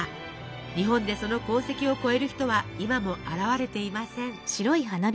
日本でその功績を超える人は今も現れていません。